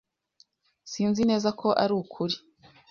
Sinzi neza ko ari ukuri.